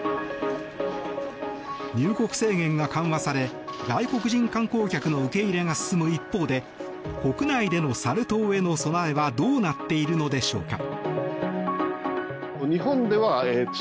入国制限が緩和され外国人観光客の受け入れが進む一方で国内でのサル痘への備えはどうなっているのでしょうか。